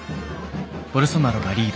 ボルソナロがリード。